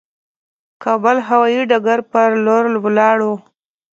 کابل هوايي ډګر پر لور ولاړو.